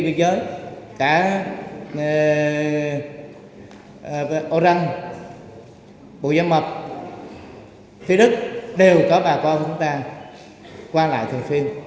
cả thế giới cả âu răng bù gia mập thúy đức đều có bà con của chúng ta qua lại thường xuyên